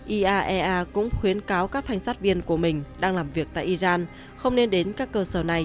iaea cũng khuyến cáo các thanh sát viên của mình đang làm việc tại iran không nên đến các cơ sở này